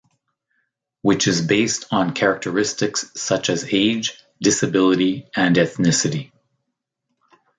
Which is based on characteristics such as age, disability, and ethnicity.